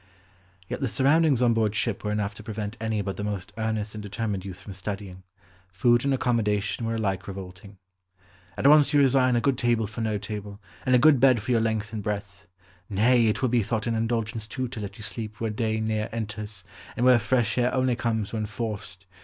Yet the surroundings on board ship were enough to prevent any but the most earnest and determined youth from studying; food and accommodation were alike revolting. "At once you resign a good table for no table, and a good bed for your length and breadth. Nay, it will be thought an indulgence too to let you sleep where day ne'er enters; and where fresh air only comes when forced.